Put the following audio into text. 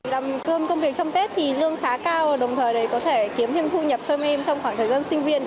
đằm cơm công việc trong tết thì lương khá cao đồng thời có thể kiếm thêm thu nhập cho em trong khoảng thời gian sinh viên